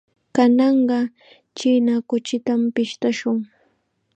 Kananqa china kuchitam pishtashun.